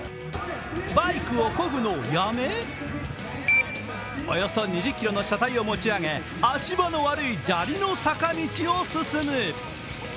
バイクをこぐのをやめ、およそ２０ｋｇの車体を持ち上げ、足場の悪い砂利の坂道を進む。